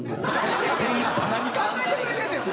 何考えてくれてんですか！